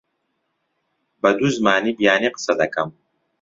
بە دوو زمانی بیانی قسە دەکەم.